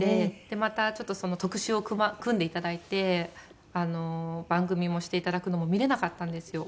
でまたちょっと特集を組んでいただいて番組もしていただくのも見れなかったんですよ。